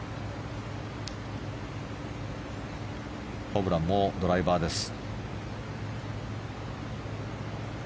ホブランもドライバーです。